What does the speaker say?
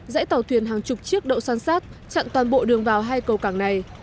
dãy tàu thuyền hàng chục chiếc đậu xoan sát chặn toàn bộ đường vào hai cầu cảng này